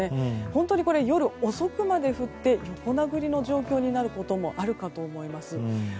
本当に夜遅くまで降って横殴りの状況になることもあるかと思います。